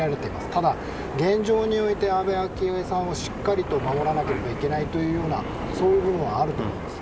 ただ、現状において安倍昭恵さんは、しっかりと守らなければいけないというそういう部分はあると思うんです。